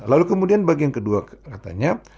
lalu kemudian bagian kedua katanya